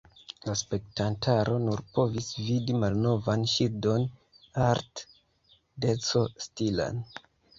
La spektantaro nur povis vidi malnovan ŝildon Art-Deco-stilan.